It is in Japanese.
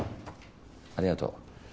ありがとう。